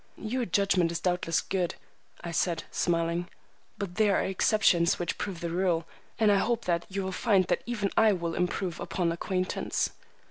"Your judgment is doubtless good," I said, smiling; "but there are exceptions which prove the rule, and I hope you will find that even I will improve upon acquaintance."